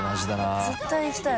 本田）絶対行きたい。